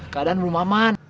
keadaan belum aman